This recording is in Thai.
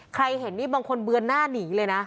เห็นนี่บางคนเบือนหน้าหนีเลยนะ